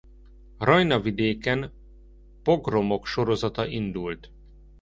Rajna-vidéken pogromok sorozata indult.